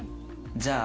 じゃあ。